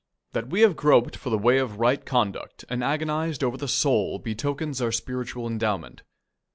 That we have groped for the way of right conduct and agonized over the soul betokens our spiritual endowment.